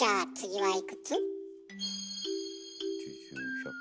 はい。